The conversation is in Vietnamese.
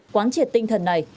quán triệt tinh thần này